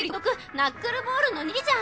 ナックルボールの握りじゃん！